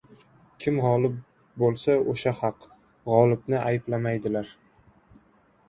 • Kim g‘olib bo‘lsa o‘sha haq. G‘olibni ayblamaydilar.